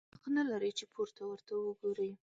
حق نه لرې چي پورته ورته وګورې!